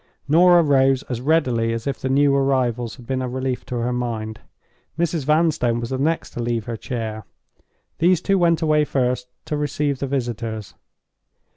Norah rose as readily as if the new arrivals had been a relief to her mind. Mrs. Vanstone was the next to leave her chair. These two went away first, to receive the visitors.